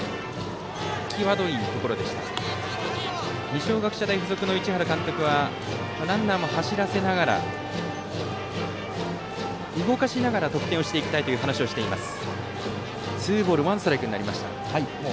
二松学舎大付属の市原監督はランナーも走らせながら動かしながら得点していきたいという話をしています。